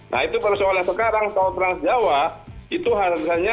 nah itu persoalannya sekarang tol trans jawa itu harganya masih harga sosial